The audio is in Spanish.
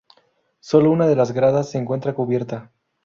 Sólo una de las gradas se encuentra cubierta.